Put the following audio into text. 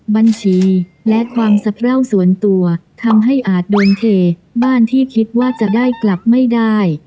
บัญชีและความสะเพราส่วนตัวทำให้อาจโดนเทบ้านที่คิดว่าจะได้กลับไม่ได้